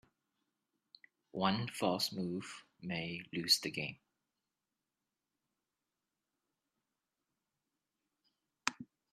One false move may lose the game.